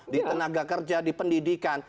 di tenaga kerja di pendidikan